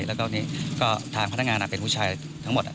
แล้วก็ทางพนักงานเป็นผู้ชายทั้งหมด